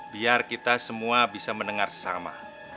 biar kita semua bisa mendengar sesama